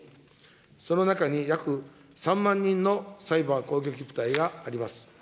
その中に約３万人のサイバー攻撃部隊があります。